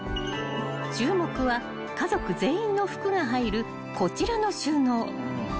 ［注目は家族全員の服が入るこちらの収納］